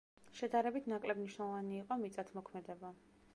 შედარებით ნაკლებ მნიშვნელოვანი იყო მიწათმოქმედება.